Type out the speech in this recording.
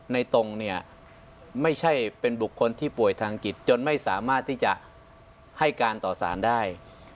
ตรงเนี่ยไม่ใช่เป็นบุคคลที่ป่วยทางจิตจนไม่สามารถที่จะให้การต่อสารได้